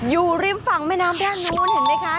อยู่ริมฝั่งแม่น้ำด้านนู้นเห็นไหมคะ